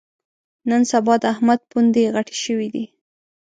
نن سبا د احمد پوندې غټې شوې دي.